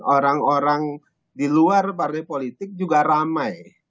orang orang di luar partai politik juga ramai